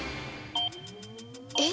えっ？